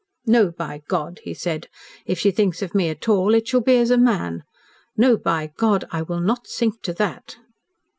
"No, by God!" he said. "If she thinks of me at all it shall be as a man. No, by God, I will not sink to that!"